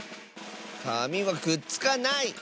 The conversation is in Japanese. かみはくっつかない！